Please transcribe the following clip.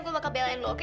gue bakal belain lo oke